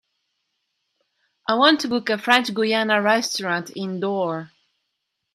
I want to book a French Guiana restaurant indoor.